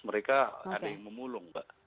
mereka ada yang memulung